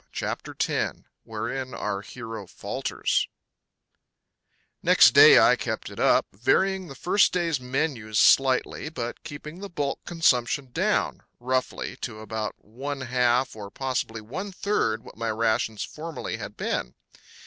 CHAPTER X Wherein Our Hero Falters Next day I kept it up, varying the first day's menus slightly, but keeping the bulk consumption down, roughly, to about one half or possibly one third what my rations formerly had been.